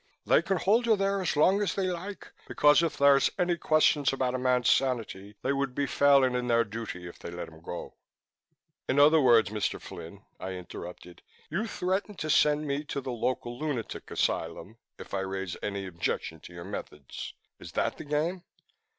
They can hold you there as long as they like, because if there's any question about a man's sanity, they would be failing in their duty if they let him go." "In other words, Mr. Flynn," I interrupted, "you threaten to send me to the local lunatic asylum if I raise any objection to your methods. Is that the game?"